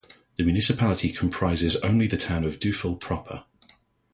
The municipality comprises only the town of Duffel proper.